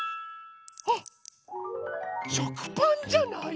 あっしょくパンじゃない？